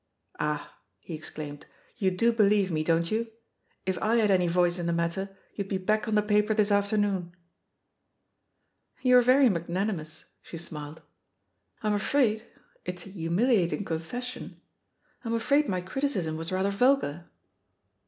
"Ah!" he exclaimed; "you do believe me, don't you? If I had any voice in the matter, you'd be back on the paper this afternoon/' "You're very magnanimous," she smiled. "I'm afraid — ^it's a humiliating confession — ^I'm afraid my criticism was rather vulgar?"